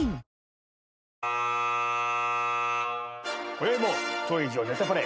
こよいも当劇場『ネタパレ』